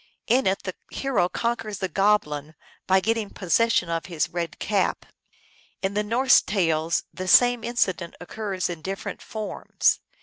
In it the hero conquers the goblin by getting possession of his red cap. In the Norse tales the same incident occurs in different forms.